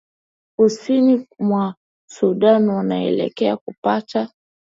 kusini mwa sudan wanaelekea kupata